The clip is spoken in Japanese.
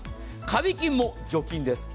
カビ菌も除菌です。